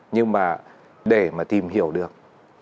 nhưng mà để mà tìm hiểu được